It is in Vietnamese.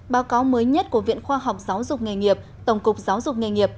báo cáo mới nhất của viện khoa học giáo dục nghề nghiệp tổng cục giáo dục nghề nghiệp